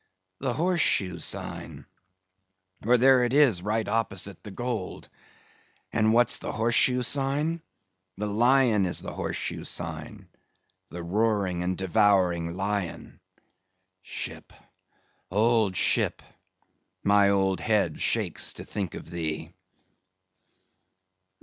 The horse shoe sign; for there it is, right opposite the gold. And what's the horse shoe sign? The lion is the horse shoe sign—the roaring and devouring lion. Ship, old ship! my old head shakes to think of thee."